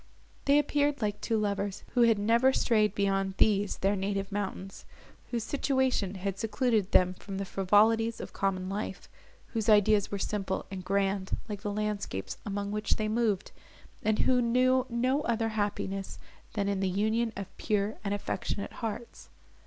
They appeared like two lovers who had never strayed beyond these their native mountains; whose situation had secluded them from the frivolities of common life, whose ideas were simple and grand, like the landscapes among which they moved, and who knew no other happiness, than in the union of pure and affectionate hearts.